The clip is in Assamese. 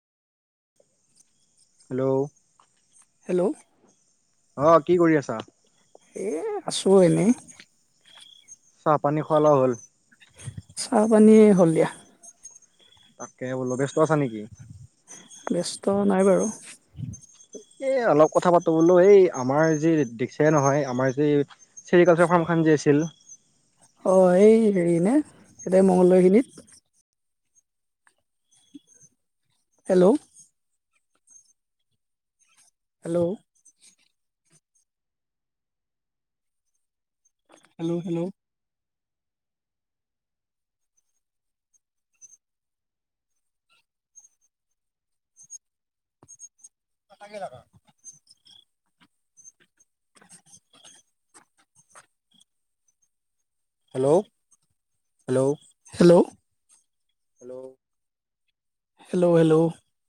হেল্ল' হেল্ল' অ কি কৰি আছা এ আছো এনেই চাহপানী খোৱা লোৱা হ'ল চাহ পানী হ'ল দিয়া তাকে বোলো ব্যস্ত আছা নেকি ব্যস্ত নাই বাৰু এ অলপ কথা পাতো বোলো এই আমাৰ যি দিকচাই নহয় আমাৰ যি চেৰিকালচাৰ ফাৰ্ম খান যে আছিল অ এই হেৰি নে এতে মঙ্গলদৈ খিনিত হেল্ল' হেল্ল' হেল্ল' হেল্ল' কথাকেই দাকা hello hello hello hello hello hello